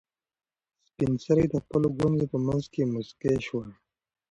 سپین سرې د خپلو ګونځو په منځ کې موسکۍ شوه.